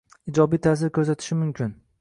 ijobiy ta’sir ko’rsatishi mumkin